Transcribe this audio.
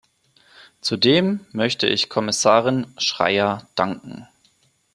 Zudem möchte ich Kommissarin Schreyer danken.